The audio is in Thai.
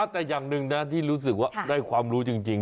แต่อย่างหนึ่งนะที่รู้สึกว่าได้ความรู้จริง